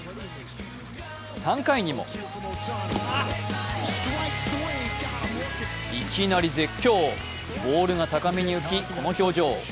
３回にもいきなり絶叫、ボールが高めに浮きこの表情。